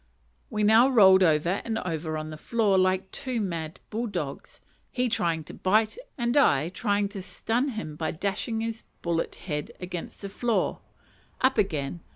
We now rolled over and over on the floor like two mad bulldogs; he trying to bite, and I trying to stun him by dashing his bullet head against the floor. Up again!